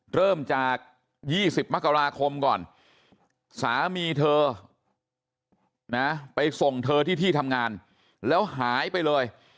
เริ่มจาก๒๐มกราคมก่อนสามีเธอนะไปส่งเธอที่ที่ทำงานแล้วหายไปเลย